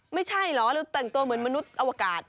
ไม่ใช่เหรอเราแต่งตัวเหมือนมนุษย์อวกาศ